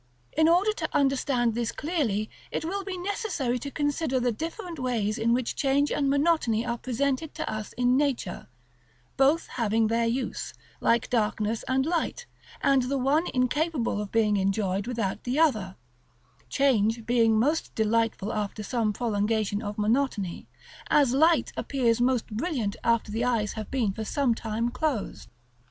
In order to understand this clearly, it will be necessary to consider the different ways in which change and monotony are presented to us in nature; both having their use, like darkness and light, and the one incapable of being enjoyed without the other: change being most delightful after some prolongation of monotony, as light appears most brilliant after the eyes have been for some time closed.